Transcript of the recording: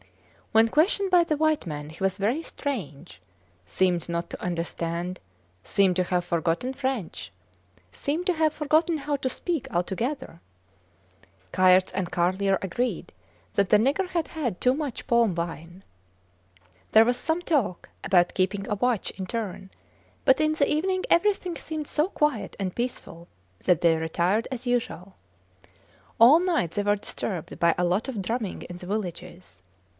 When questioned by the white men he was very strange, seemed not to understand, seemed to have forgotten French seemed to have forgotten how to speak altogether. Kayerts and Carlier agreed that the nigger had had too much palm wine. There was some talk about keeping a watch in turn, but in the evening everything seemed so quiet and peaceful that they retired as usual. All night they were disturbed by a lot of drumming in the villages.